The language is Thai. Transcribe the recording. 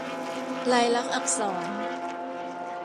ลายลักษณ์อักษร